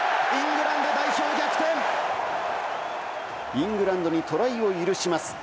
イングランドにトライを許します。